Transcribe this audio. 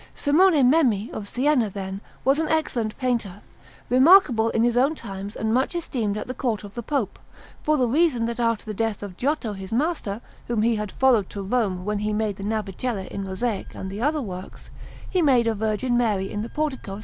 Simone Memmi of Siena, then, was an excellent painter, remarkable in his own times and much esteemed at the Court of the Pope, for the reason that after the death of Giotto his master, whom he had followed to Rome when he made the Navicella in mosaic and the other works, he made a Virgin Mary in the portico of S.